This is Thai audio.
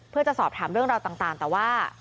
เพื่อจะสอบถามเรื่องราวต่างแต่ว่า